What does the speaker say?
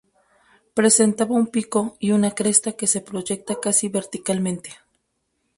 Presentaba un pico y una cresta que se proyecta casi verticalmente.